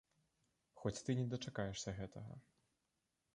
Хоць ты да не дачакаешся гэтага.